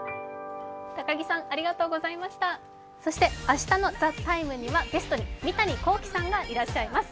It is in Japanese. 明日の「ＴＨＥＴＩＭＥ，」にはゲストに三谷幸喜さんがいらっしゃいます。